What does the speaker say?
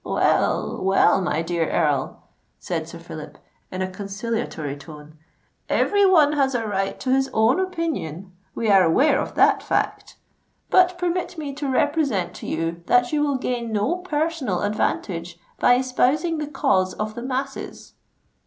"Well—well, my dear Earl," said Sir Phillip, in a conciliatory tone: "every one has a right to his own opinion—we are aware of that fact. But permit me to represent to you that you will gain no personal advantage, by espousing the cause of the masses."